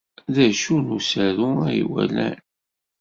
D acu n usaru ay walan?